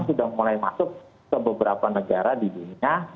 sudah mulai masuk ke beberapa negara di dunia